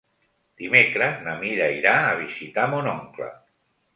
Dimecres na Mira irà a visitar mon oncle.